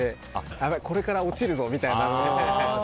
やばいこれから落ちるぞみたいなので。